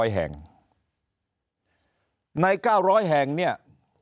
แห่งใน๙๐๐แห่งเนี่ย